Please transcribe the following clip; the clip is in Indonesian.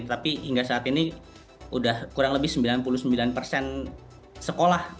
tapi hingga saat ini sudah kurang lebih sembilan puluh sembilan persen sekolah